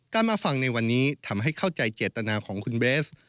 มาฟังในวันนี้ทำให้เข้าใจเจตนาของคุณเบส